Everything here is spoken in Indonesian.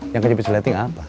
yang kejepit jepit apa